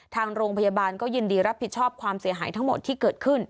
ทางโรงพยาบาลก็ยินดีรับผิดชอบความเสียหายทั้งหมดที่เกิดขึ้น